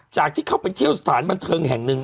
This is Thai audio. ที่เข้าไปเที่ยวสถานบันเทิงแห่งหนึ่ง